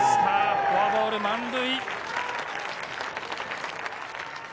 フォアボール満塁。